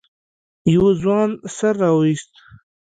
يوه ځوان سر راويست.